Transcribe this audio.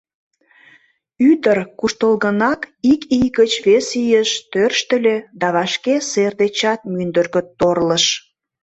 Ӱдыр куштылгынак ик ий гыч вес ийыш тӧрштыльӧ да вашке сер дечат мӱндыркӧ торлыш.